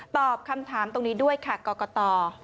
ตอบคำถามตรงนี้ด้วยค่ะกรกต